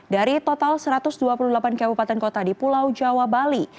dari total satu ratus dua puluh delapan kabupaten kota di pulau jawa bali